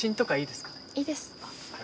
いいです。